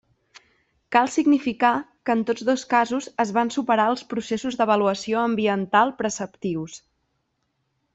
Cal significar que en tots dos casos es van superar els processos d'avaluació ambiental preceptius.